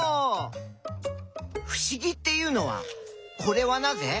ふしぎっていうのは「これはなぜ？」